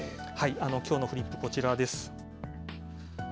きょうのフリップ、こちらです。